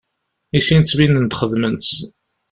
I sin ttbinen-d xedmen-tt.